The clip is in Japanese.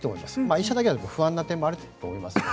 １社だけだと不安な点もあると思います。